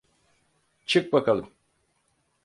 Çık bakalım.